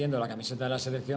yang memakai pakaian dari seleksi